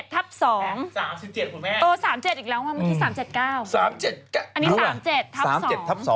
ตัว๓๗อีกแล้วว่ามาที่๓๗๙